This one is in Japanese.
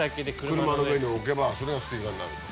車の上に置けばそれがスピーカーになると。